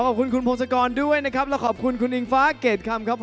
ขอบคุณคุณพงศกรด้วยนะครับแล้วขอบคุณคุณอิงฟ้าเกรดคำครับ